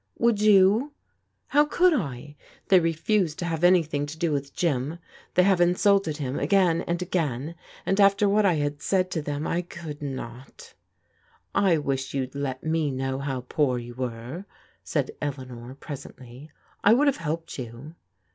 Would you ? How could I ? They refused to have an3rthing to do with Jim. They have insulted him again and again, and after what I had said to them, I coidd not." " I wish you'd let me know how poor you were," said Eleanor presently. " I would have helped you."